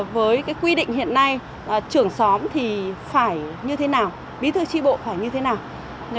với quy định hiện nay trưởng xóm thì phải như thế nào bí thư tri bộ phải như thế nào